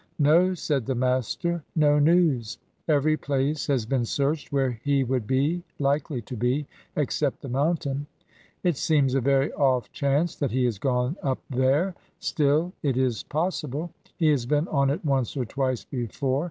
"No," said the master; "no news. Every place has been searched where he would be likely to be, except the mountain. It seems a very off chance that he has gone up there; still, it is possible. He has been on it once or twice before.